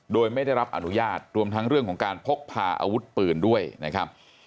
โดยไม่ได้รับอนุญาตรวมทั้งเรื่องของการพกพาอาวุธปืนด้วยนะครับ